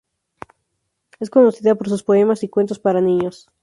Es conocida por sus poemas y cuentos para niños.